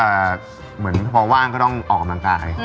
เหมือนพอว่างก็ต้องออกกำลังกาย